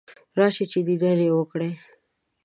راشه چې دیدن یې وکړې.